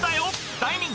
大人気！